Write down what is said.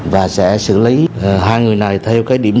và sẽ xử lý hai người này theo cái điểm